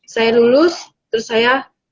saya lulus terus saya